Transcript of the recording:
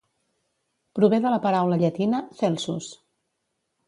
Prové de la paraula llatina 'Celsus'.